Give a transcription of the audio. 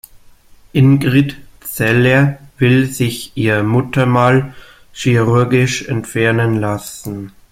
Ingrid Zeller will sich ihr Muttermal chirurgisch entfernen lassen.